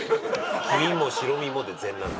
黄身も白身もで全卵。